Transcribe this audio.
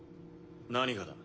何がだ？